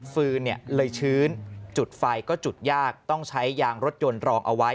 ฟืนเลยชื้นจุดไฟก็จุดยากต้องใช้ยางรถยนต์รองเอาไว้